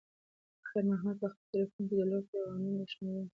خیر محمد په خپل تلیفون کې د لور د پیغامونو شمېر حساب کړ.